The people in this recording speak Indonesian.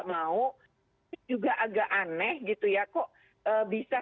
mau juga agak aneh gitu ya kok bisa